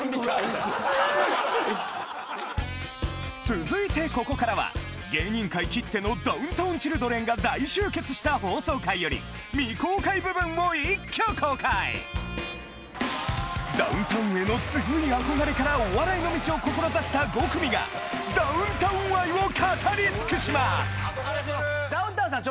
続いてここからは芸人界きってのダウンタウンチルドレンが大集結した放送回よりダウンタウンへの強い憧れからお笑いの道を志した５組がダウンタウンさん